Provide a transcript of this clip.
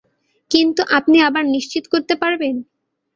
কিন্তু আপনি আবার নিশ্চিত করতে পারবেন?